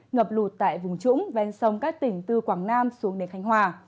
ngập lụt tại vùng trũng ven sông các tỉnh từ quảng nam xuống đến khánh hòa